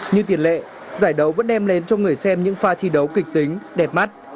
như tiền lệ giải đấu vẫn đem đến cho người xem những pha thi đấu kịch tính đẹp mắt